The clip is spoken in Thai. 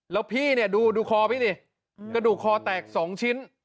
แล้วพี่เนี่ยดูคอพี่ดิกระดูกคอแตก๒ชิ้น